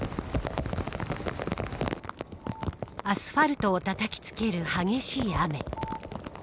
アスファルトをたたきつける激しい雨。